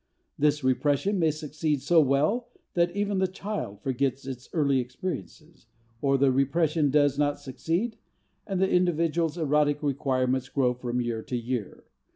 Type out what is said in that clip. This repression may succeed so well that even the child forgets its early experiences or the repression does not succeed and the individual's erotic requirements grow from year to year.